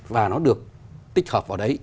và nó được tích hợp vào đấy